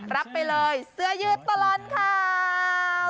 รับไปเลยเสื้อยืดตลอดข่าว